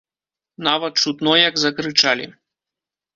Нават чутно, як закрычалі.